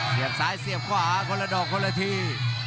เสียบซ้ายเสียบขวาคนละดอกคนละที